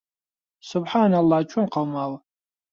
سوبحانەڵڵا چۆن قەوماوە!